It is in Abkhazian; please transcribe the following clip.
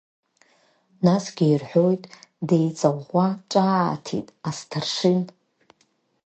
Насгьы ирҳәоит, деиҵаӷәӷәа ҿааҭит асҭаршын…